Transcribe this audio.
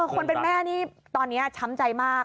คนเป็นแม่นี่ตอนนี้ช้ำใจมาก